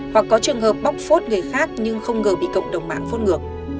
hoặc có trường hợp bóc phốt người khác nhưng không ngờ bị cộng đồng mạng phốt ngược